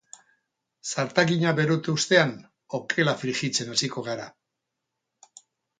Zartagina berotu ostean okela frijitzen hasiko gara.